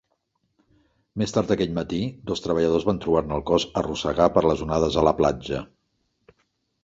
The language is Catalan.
Més tard aquell matí, dos treballadors van trobar-ne el cos arrossegar per les onades a la platja.